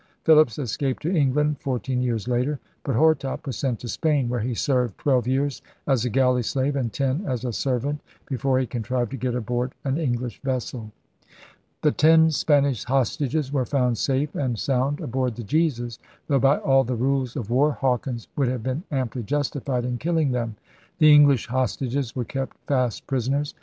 Philips escaped to England fourteen years later. But Hortop was sent to Spain, where he served twelve years as a galley slave and ten as a servant before he contrived to get aboard an English vessel. The ten Spanish hostages were found safe and sound aboard the Jesus; though, by all the rules of war, Hawkins would have been amply justified in killing them. The English hostages were kept fast prisoners.